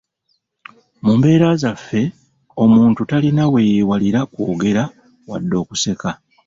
Mu mbeera zaffe omuntu, talina weyeewalira kwogera wadde okuseka.